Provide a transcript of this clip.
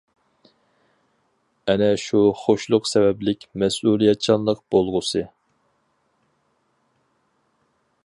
ئەنە شۇ خۇشلۇق سەۋەبلىك مەسئۇلىيەتچانلىق بولغۇسى.